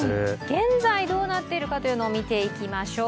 現在どうなっているかというのを見ていきましょう。